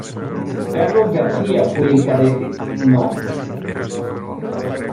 Carlos García fue el Cadete No.